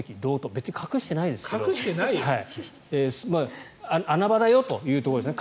別に隠してないですけど穴場だよというところですね。